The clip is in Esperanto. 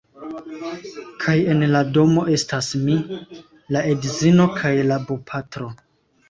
Kaj en la domo estas mi, la edzino kaj la bopatro.